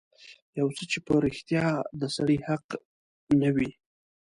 يو څه چې په رښتيا د سړي حق نه وي.